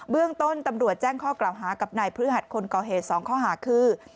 เรื่องต้นตำรวจแจ้งข้อกล่าวหากับนายพฤหัสคนก่อเหตุ๒ข้อหาคือ